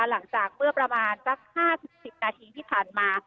หลังจากเมื่อประมาณสัก๕๐๑๐นาทีที่ผ่านมา